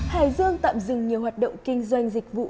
hải dương tạm dừng nhiều hoạt động kinh doanh dịch vụ